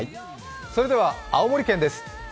それでは青森県です。